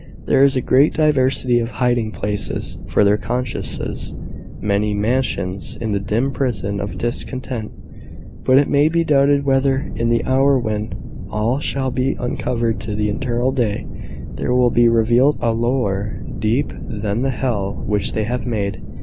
There is a great diversity of hiding places for their consciences many mansions in the dim prison of discontent: but it may be doubted whether, in the hour when all shall be uncovered to the eternal day, there will be revealed a lower deep than the hell which they have made.